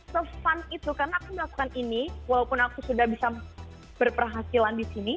karena se fun itu kan aku melakukan ini walaupun aku sudah bisa berperhasilan di sini